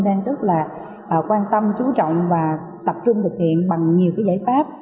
đang rất quan tâm chú trọng và tập trung thực hiện bằng nhiều giải pháp